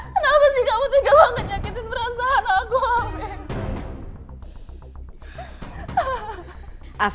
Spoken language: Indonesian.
kenapa sih kamu tinggal banget nyangkitin perasaan aku afif